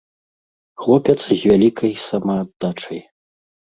Хлопец з вялікай самааддачай.